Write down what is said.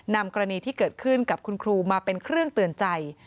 กรณีที่เกิดขึ้นกับคุณครูมาเป็นเครื่องเตือนใจ